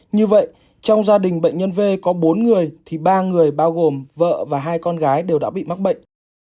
như vậy trong gia đình bệnh nhân v có bốn người thì ba người bao gồm vợ và hai con gái đều đã bị mắc bệnh